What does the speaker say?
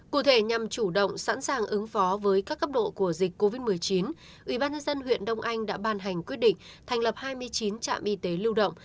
cụ thể nhằm chủ động sẵn sàng ứng phó với các cấp độ của dịch covid một mươi chín ubnd huyện đông anh đã ban hành quyết định thành lập hai mươi chín trạm y tế lưu động